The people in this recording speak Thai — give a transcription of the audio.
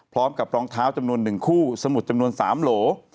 พร้อมกับรองเท้าจำนวน๑คู่สมุดจำนวน๓โหล